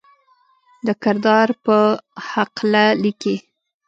د کردار پۀ حقله ليکي: